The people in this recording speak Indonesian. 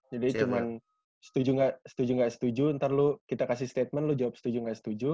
jadi cuman setuju gak setuju gak setuju ntar lu kita kasih statement lu jawab setuju gak setuju